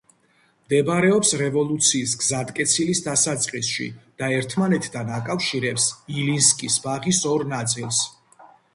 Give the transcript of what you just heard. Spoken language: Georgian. მდებარეობს რევოლუციის გზატკეცილის დასაწყისში და ერთმანეთთან აკავშირებს ილინსკის ბაღის ორ ნაწილს.